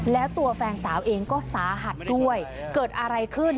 แล้วตัวแฟนสาวเองก็สาหัสด้วยเกิดอะไรขึ้น